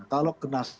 kalau kena sanksi